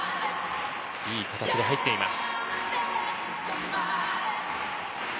いい形で入っています。